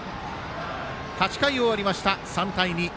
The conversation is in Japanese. ８回終わりました、３対２。